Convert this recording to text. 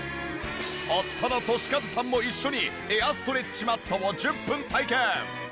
夫の俊和さんも一緒にエアストレッチマットを１０分体験。